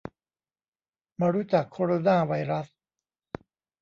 มารู้จักโคโรนาไวรัส